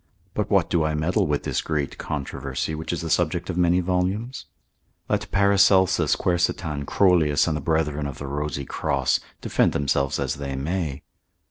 But what do I meddle with this great controversy, which is the subject of many volumes? Let Paracelsus, Quercetan, Crollius, and the brethren of the rosy cross, defend themselves as they may.